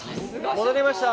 戻りました。